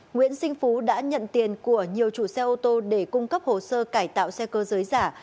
nguyễn sinh phú đã nhận tiền của nhiều chủ xe ô tô để cung cấp hồ sơ cải tạo xe cơ giới giả